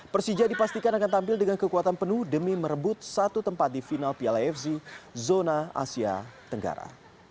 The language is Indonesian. persija dipastikan akan tampil dengan kekuatan penuh demi merebut satu tempat di final piala fz zona asia tenggara